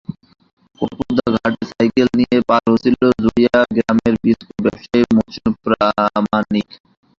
কপুদা ঘাটে সাইকেল নিয়ে পার হচ্ছিলেন জুড়িয়া গ্রামের বিস্কুট ব্যবসায়ী মজনু প্রামাণিক।